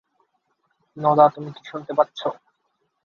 Nora, তুমি কি শুনতে পাচ্ছ?